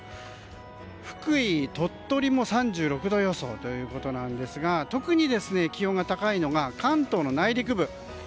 福井、鳥取も３６度予想ですが特に気温が高いのが関東の内陸部。